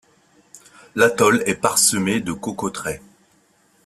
L'atoll est parsemé de cocoteraies.